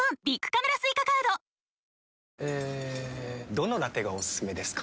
どのラテがおすすめですか？